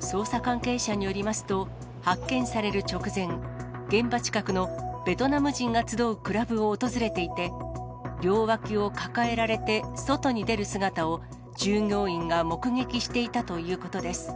捜査関係者によりますと、発見される直前、現場近くのベトナム人が集うクラブを訪れていて、両脇を抱えられて外に出る姿を、従業員が目撃していたということです。